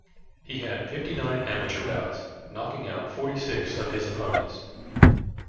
He had fifty-nine amateur bouts, knocking out forty-six of his opponents.